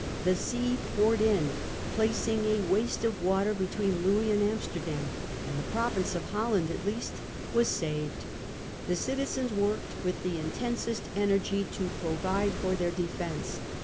The sea poured June i . placing a waste of water between Louis and Amsterdam, and the province of Holland at least was saved. The citizens worked with the intensest energy to provide for their defence.